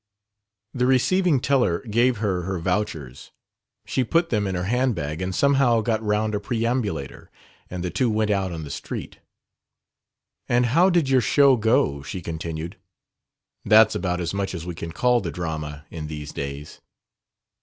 The receiving teller gave her her vouchers. She put them in her handbag and somehow got round a perambulator, and the two went out on the street. "And how did your 'show' go?" she continued. "That's about as much as we can call the drama in these days."